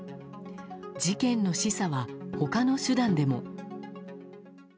事件の示唆は、他の手段でも。